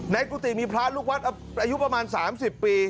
กุฏิมีพระลูกวัดอายุประมาณ๓๐ปี